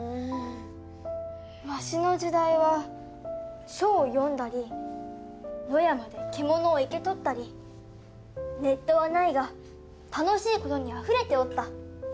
わしの時代は書を読んだり野山で獣を生け捕ったりネットはないが楽しいことにあふれておった。